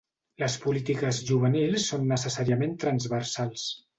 Les polítiques juvenils són necessàriament transversals.